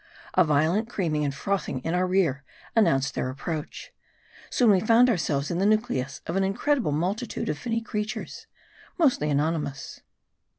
A violent creaming and frothing in our rear announced their approach. Soon we found ourselves the nucleus of an incredible multitude of finny creatures, mostly anonymous.